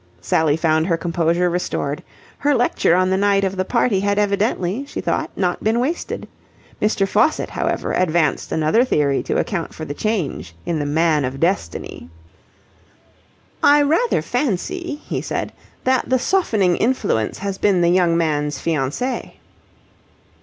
Sally found her composure restored. Her lecture on the night of the party had evidently, she thought, not been wasted. Mr. Faucitt, however, advanced another theory to account for the change in the Man of Destiny. "I rather fancy," he said, "that the softening influence has been the young man's fiancée."